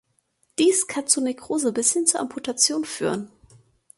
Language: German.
Dies kann zu Nekrose bis hin zur Amputation führen.